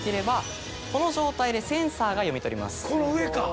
この上か！